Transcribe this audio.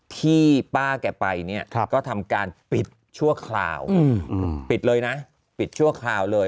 ที่ป้าแกไปเนี่ยก็ทำการปิดชั่วคราวปิดเลยนะปิดชั่วคราวเลย